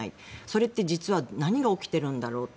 それって実は何が起きているんだろう。